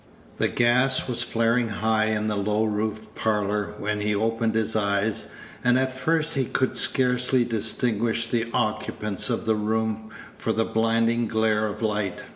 The gas was flaring high in the low roofed parlor when he opened his eyes, and at first he could scarcely distinguish the occupants of the room for the blinding glare of light.